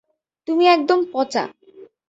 তুমি একদম পচা।